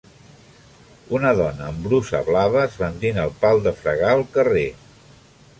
Una dona amb brusa blava esbandint el pal de fregar al carrer.